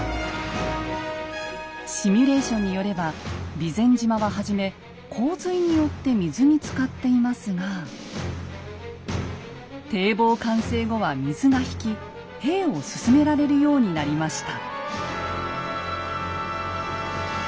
シミュレーションによれば備前島は初め洪水によって水につかっていますが堤防完成後は水が引き兵を進められるようになりました。